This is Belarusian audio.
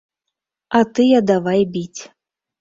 А тыя давай біць.